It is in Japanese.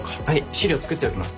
資料作っておきます。